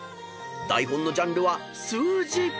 ［台本のジャンルは「数字」］